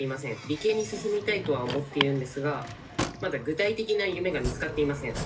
理系に進みたいとは思っているんですがまだ具体的な夢が見つかっていません。